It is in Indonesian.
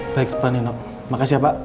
baik pak nino makasih ya pak